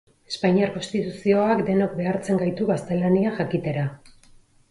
Espainiar Konstituzioak denok behartzen gaitu gaztelania jakitera.